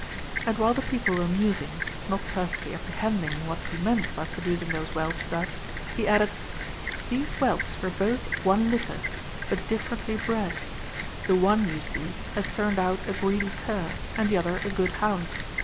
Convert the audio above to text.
And while the people Avere musing, not perfectly apprehending what he meant by producing those whelps thus, he added : These whelps were both of one litter, but differently bred ; the one, you see, has turned out a greedy cur, and the other a good hound.